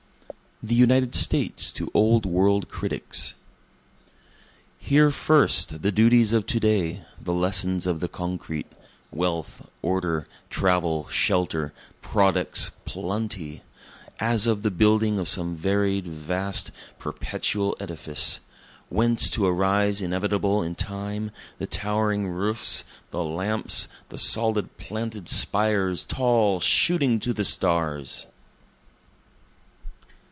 The United States to Old World Critics Here first the duties of to day, the lessons of the concrete, Wealth, order, travel, shelter, products, plenty; As of the building of some varied, vast, perpetual edifice, Whence to arise inevitable in time, the towering roofs, the lamps, The solid planted spires tall shooting to the stars.